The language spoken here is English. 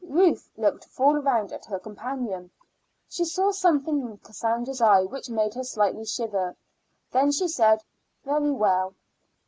Ruth looked full round at her companion. She saw something in Cassandra's eye which made her slightly shiver. Then she said: "Very well."